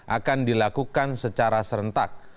akan dilakukan secara serentak